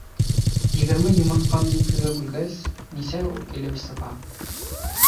— Егерме йомортҡаны икегә бүлгәс, нисәү килеп сыға?